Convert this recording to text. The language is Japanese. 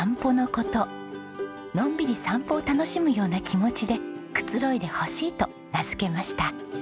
のんびり散歩を楽しむような気持ちでくつろいでほしいと名付けました。